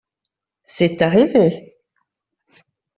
c'est arrivé.